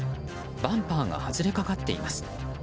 バンパーが外れかかっています。